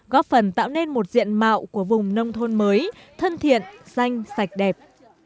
góp phần tạo nên một diện mạo của vùng nông thôn mới thân thiện xanh sạch đẹp